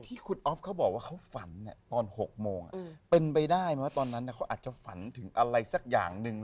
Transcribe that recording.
ที่คุณอ๊อฟเขาบอกว่าเขาฝันตอน๖โมงเป็นไปได้ไหมตอนนั้นเขาอาจจะฝันถึงอะไรสักอย่างหนึ่ง